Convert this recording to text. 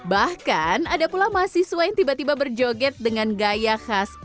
bahkan ada pula mahasiswa yang tiba tiba berjoget dengan suara gagak yang terkenal di dalam lagu